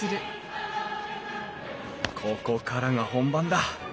ここからが本番だ。